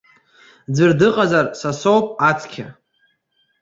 Ӡәыр дыҟазар са соуп ацқьа.